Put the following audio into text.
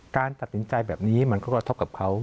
การตัดสินใจแบบนี้มันก็กระทบกับเขา